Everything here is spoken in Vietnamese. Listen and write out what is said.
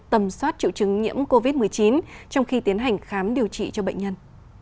tầm soát triệu chứng nhiễm covid một mươi chín trong khi tiến hành khám điều trị cho bệnh nhân